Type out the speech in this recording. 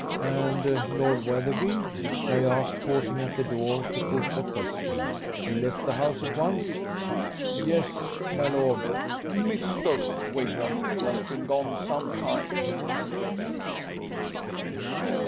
"And Lord Wetherby?" I asked, pausing at the door to put the question. "He left the house at once?" "Yes, my lord, Mr. Wigram has been gone some time."